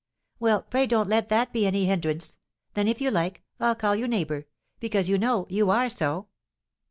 "Well, pray don't let that be any hindrance; then, if you like, I'll call you 'neighbour,' because, you know, you are so."